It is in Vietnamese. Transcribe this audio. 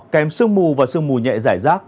kèm sương mù và sương mù nhẹ rải rác